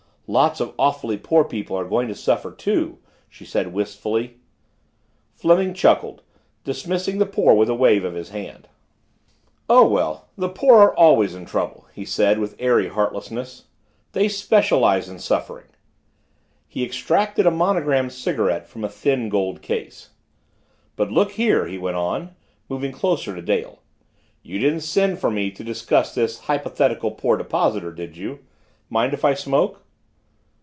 "Lots of awfully poor people are going to suffer, too," she said wistfully. Fleming chuckled, dismissing the poor with a wave of his hand. "Oh, well, the poor are always in trouble," he said with airy heartlessness. "They specialize in suffering." He extracted a monogrammed cigarette from a thin gold case. "But look here," he went on, moving closer to Dale, "you didn't send for me to discuss this hypothetical poor depositor, did you? Mind if I smoke?"